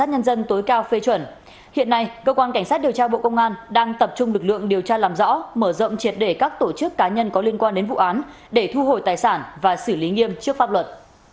hiện nay cơ quan cảnh sát điều tra bộ công an đang tập trung lực lượng điều tra làm rõ mở rộng triệt để các tổ chức cá nhân có liên quan đến vụ án để thu hồi tài sản và xử lý nghiêm trước pháp luật